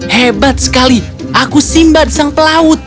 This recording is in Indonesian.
hebat sekali aku simbad sang pelaut